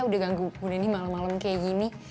udah ganggu bu dendi malem malem kayak gini